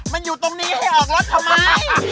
มันอยู่ตรงนี้ให้ออกรถทำไม